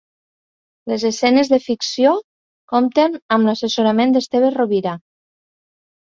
Les escenes de ficció compten amb l'assessorament d'Esteve Rovira.